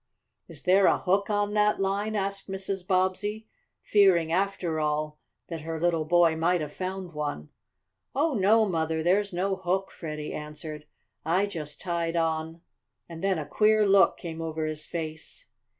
"Is there a hook on that line?" asked Mrs. Bobbsey, fearing, after all, that her little boy might have found one. "Oh, no, Mother, there's no hook," Freddie answered. "I just tied on " And then a queer look came over his face.